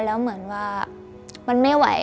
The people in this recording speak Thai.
แล้วเหมือนว่ามันไม่ไหว